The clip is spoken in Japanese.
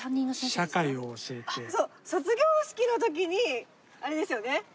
卒業式の時にあれですよね。